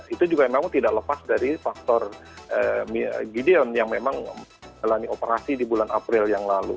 itu juga memang tidak lepas dari faktor gideon yang memang lani operasi di bulan april yang lalu